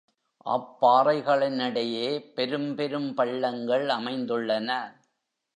அப்பாறைகளினிடையே பெரும்பெரும் பள்ளங்கள் அமைந்துள்ளன.